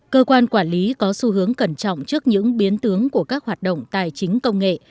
cơ quan quản lý có xu hướng cẩn trọng trước những biến tướng của các hoạt động tài chính công nghệ